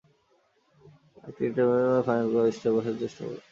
একটা ইন্টার্ভিউ এর ফাইনাল স্টেজে বসার চেষ্টা কর।